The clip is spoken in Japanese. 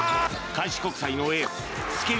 開志国際のエース介川